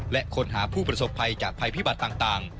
และค้นหาผู้ประสบภัยจากภัยพิบัติต่าง